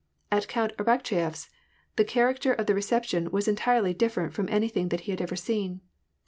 At Count Arakcheyef s, the char acter of the reception was entirely different from anything that he had ever seen.